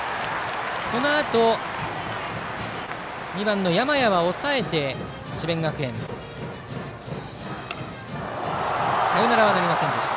このあと、２番の山家は抑えて智弁学園サヨナラはなりませんでした。